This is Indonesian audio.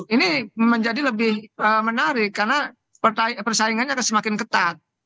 ini menjadi lebih menarik karena persaingannya akan semakin ketat